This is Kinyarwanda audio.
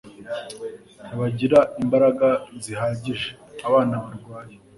ntibagira imbaraga zihagije. abana barwaye